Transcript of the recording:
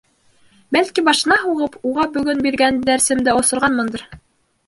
Бәлки, башына һуғып, уға бөгөн биргән дәресемде осорғанмындыр?